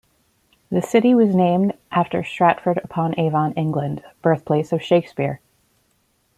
The city was named after Stratford-upon-Avon, England, birthplace of Shakespeare.